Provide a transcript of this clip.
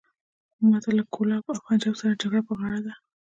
ماته له کولاب او پنجاب سره جګړه په غاړه ده.